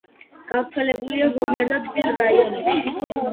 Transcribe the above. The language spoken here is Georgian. გავრცელებულია ზომიერ და თბილ რაიონებში.